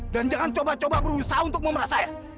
dan jangan coba coba berusaha untuk memeras saya